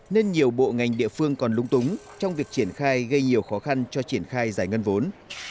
nên nhiều bộ ngành địa phương còn lúng túng trong việc triển khai gây nhiều khó khăn cho triển khai giải ngân vốn